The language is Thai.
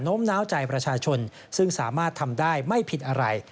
้มน้าวใจประชาชนซึ่งสามารถทำได้ไม่ผิดอะไร